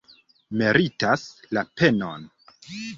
Meritas la penon!